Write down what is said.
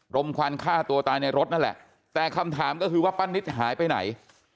มควันฆ่าตัวตายในรถนั่นแหละแต่คำถามก็คือว่าป้านิตหายไปไหน